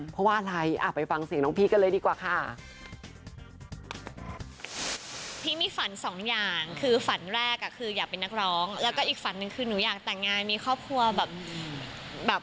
เพราะว่าอะไรไปฟังเสียงน้องพีชกันเลยดีกว่าค่ะ